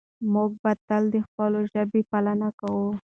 موږ به تل د خپلې ژبې پالنه کوو.